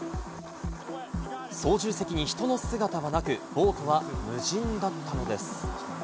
操縦席に人の姿はなく、ボートは無人だったのです。